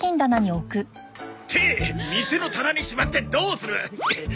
店の棚にしまってどうする！